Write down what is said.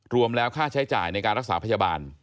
รวมแล้วค่าใช้จ่ายในการรักษาพยาบาล